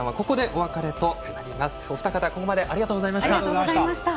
お二方、ここまでありがとうございました。